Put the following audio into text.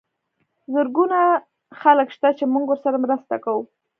زرګونه خلک شته چې موږ ورسره مرسته کوو.